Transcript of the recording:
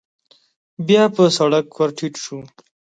بيا په سړک ور ټيټ شو.